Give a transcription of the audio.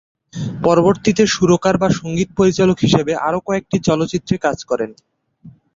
পরবর্তীতে সুরকার বা সঙ্গীত পরিচালক হিসেবে আরো কয়েকটি চলচ্চিত্রে কাজ করেন।